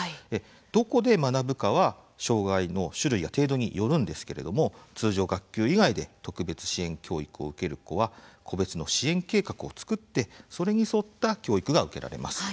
どこで学ぶかは障害の種類や程度によるんですけれども通常学級以外で特別支援教育を受ける子は個別の支援計画を作ってそれに沿った教育が受けられます。